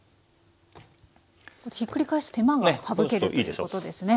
ひっくり返す手間が省けるってことですね。